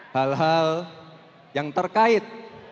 hal hal yang terkait